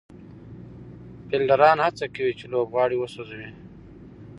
فېلډران هڅه کوي، چي لوبغاړی وسوځوي.